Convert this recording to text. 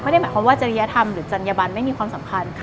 ไม่ได้หมายความว่าจริยธรรมหรือจัญญบันไม่มีความสำคัญ